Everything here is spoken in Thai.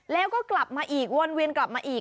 แล้วก็กลับมาอีกวนเวียนกลับมาอีก